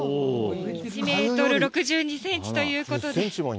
１メートル６２センチということで。